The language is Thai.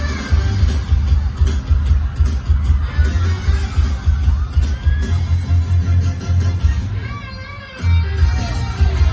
เมื่อเมื่อเมื่อ